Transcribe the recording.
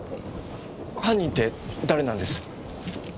犯人って誰なんです？